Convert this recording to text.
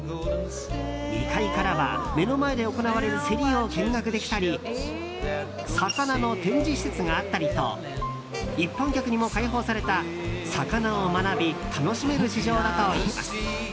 ２回からは、目の前で行われるセリを見学できたり魚の展示施設があったりと一般客にも開放された魚を学び、楽しめる